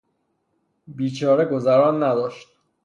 بیچاره گذران نداشت